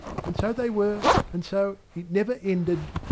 And so they were, and so it never ended!"